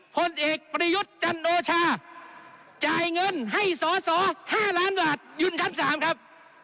ผลเอกประยุทธ์จันโอชาจ่ายเงินให้สอสอ๕ล้านบาทยุ่นชั้น๓ครับ